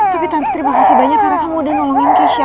tapi times terima kasih banyak karena kamu udah nolongin kesha